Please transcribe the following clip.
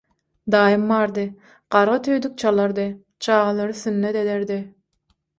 Daýym bardy, gargy tüýdük çalardy, çagalary sünnet ederdi.